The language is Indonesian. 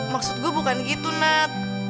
maksud gue bukan gitu nak